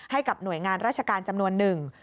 ให้กับหน่วยงานราชการจำนวนหนึ่ง